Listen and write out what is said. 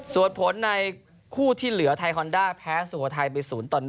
ส่วนผลในคู่ที่เหลือไทยฮอนด้าแพ้สุโขทัยไป๐ต่อ๑